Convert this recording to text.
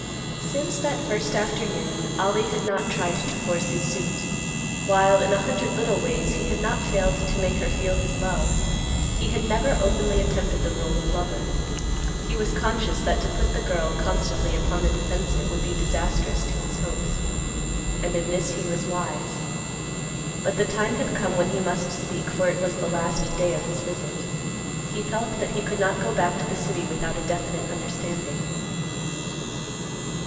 Since that first afternoon, Ollie had not tried to force his suit. While, in a hundred little ways, he had not failed to make her feel his love, he had never openly attempted the role of lover. He was conscious that to put the girl constantly upon the defensive would be disastrous to his hopes; and in this, he was wise. But the time had come when he must speak, for it was the last day of his visit. He felt that he could not go back to the city without a definite understanding.